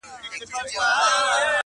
زه چي زلمی ومه کلونه مخکي-